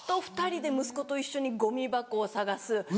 ２人で息子と一緒にゴミ箱を捜す。